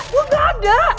gue gak ada